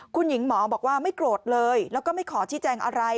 คุณหญิงหมอบอกว่าไม่โกรธเลยแล้วก็ไม่ขอชี้แจงอะไร